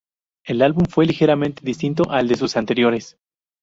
El álbum fue ligeramente distinto al de sus anteriores.